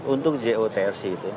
untuk jotrc itu